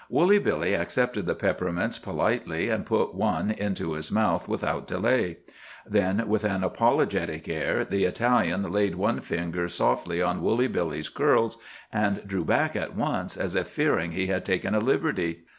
Woolly Billy accepted the peppermints politely, and put one into his mouth without delay. Then, with an apologetic air, the Italian laid one finger softly on Woolly Billy's curls, and drew back at once, as if fearing he had taken a liberty.